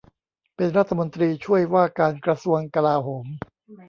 เป็นรัฐมนตรีช่วยว่าการกระทรวงกลาโหม